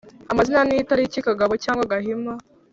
amazina n'itariki kagabo cyangwa gahima